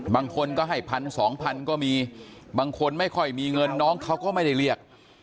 บางคนก็ให้พันสองพันก็มีบางคนไม่ค่อยมีเงินน้องเขาก็ไม่ได้เรียก